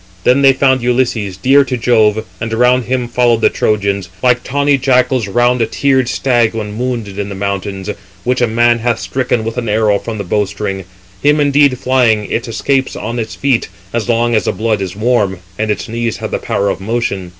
Then they found Ulysses, dear to Jove; and around him followed the Trojans, like tawny jackals round an antlered stag when wounded in the mountains, which a man hath stricken with an arrow from the bowstring. Him indeed, flying, it escapes on its feet, as long as the blood is warm, and its knees have the power of motion.